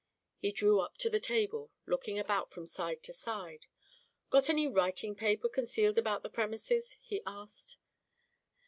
He drew up to the table, looking about from side to side. "Got any writing paper concealed about the premises?" he asked.